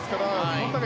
今大会